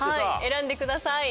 選んでください。